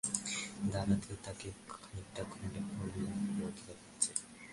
দাড়িতে তাকে খানিকটা আর্নেষ্ট হেমিংওয়ের মতো দেখাচ্ছে।